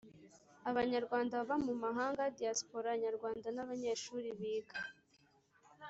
abanyarwanda baba mu mahanga diaspora Nyarwanda n abanyeshuri biga